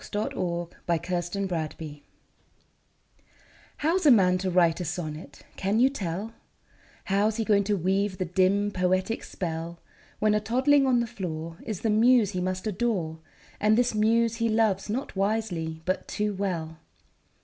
THE POET AND THE BABY How's a man to write a sonnet, can you tell, How's he going to weave the dim, poetic spell, When a toddling on the floor Is the muse he must adore, And this muse he loves, not wisely, but too well?